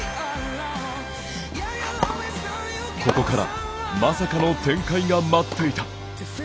ここからまさかの展開が待っていた。